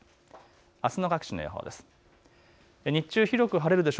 あすの各地の予報です。